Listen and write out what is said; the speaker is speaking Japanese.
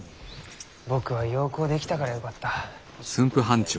僕は洋行できたからよかった。